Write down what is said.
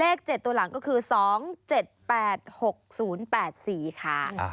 เลข๗ตัวหลังก็คือ๒๗๘๖๐๘๔ค่ะ